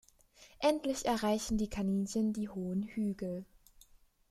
Endlich erreichen die Kaninchen die hohen Hügel.